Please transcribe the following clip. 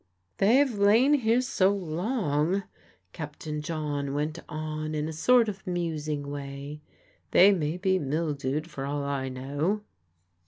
"They've lain here so long," Captain John went on in a sort of musing way, "they may be mildewed, for all I know."